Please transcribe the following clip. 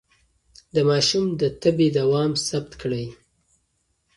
د ماشوم د تبه دوام ثبت کړئ.